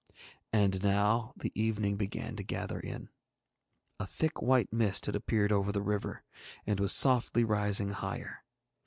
And now the evening began to gather in. A thick white mist had appeared over the river, and was softly rising higher.